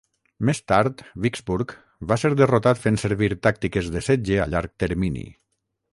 Més tard, Vicksburg va ser derrotat fent servir tàctiques de setge a llarg termini.